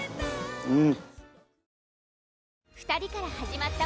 うん。